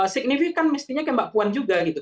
signifikan mestinya kayak mbak puan juga gitu